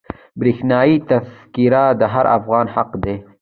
برښنایي تذکره د هر افغان حق دی.